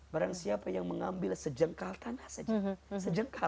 barang siapa yang mengambil sejengkal tanah saja